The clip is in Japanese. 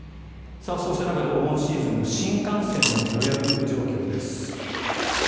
そうした中でお盆シーズンの新幹線の予約状況です。